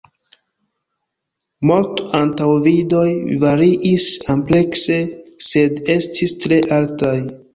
Mort-antaŭvidoj variis amplekse, sed estis tre altaj.